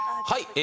はい。